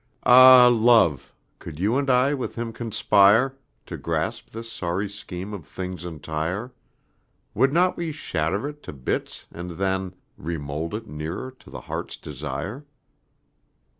Ah Love! could you and I with Him conspire To grasp this sorry Scheme of Things entire, Would not we shatter it to bits and then Re mould it nearer to the Heart's Desire!